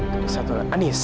gadis yang satu lagi anis